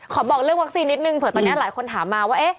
บอกเรื่องวัคซีนนิดนึงเผื่อตอนนี้หลายคนถามมาว่า